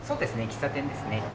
喫茶店ですね。